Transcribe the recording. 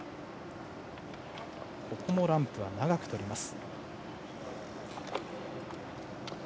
ここもランプは長くとります。